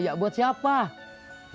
ya buat saya pak haji